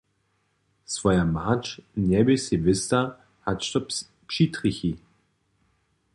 Swoja mać njebě sej wěsta, hač to přitrjechi.